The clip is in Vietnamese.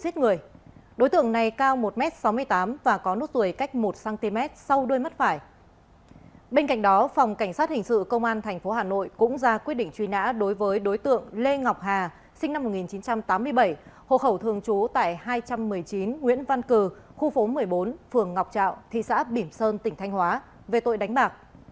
công an tp hà nội cũng ra quyết định truy nã đối với đối tượng lê ngọc hà sinh năm một nghìn chín trăm tám mươi bảy hộ khẩu thường trú tại hai trăm một mươi chín nguyễn văn cử khu phố một mươi bốn phường ngọc trạo thị xã bỉm sơn tỉnh thanh hóa về tội đánh bạc